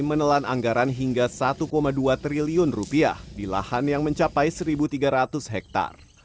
menelan anggaran hingga satu dua triliun rupiah di lahan yang mencapai satu tiga ratus hektare